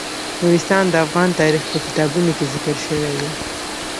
نورستان د افغان تاریخ په کتابونو کې ذکر شوی دي.